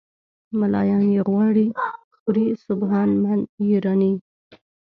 "ملایان یې غواړي خوري سبحان من یرانی".